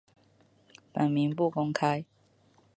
本名不公开。